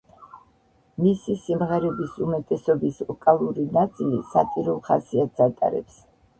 მისი სიმღერების უმეტესობის ვოკალური ნაწილი სატირულ ხასიათს ატარებს.